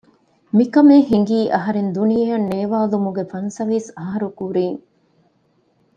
މިކަމެއް ހިނގީ އަހަރެން ދުނިޔެއަށް ނޭވާލުމުގެ ފަންސަވީސް އަހަރު ކުރީން